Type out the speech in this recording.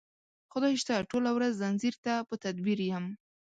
خدای شته ټوله ورځ ځنځیر ته په تدبیر یم